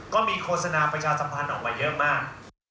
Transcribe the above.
ก็มีโฆษณาประชาสัมพันธ์ออกมาเยอะมาก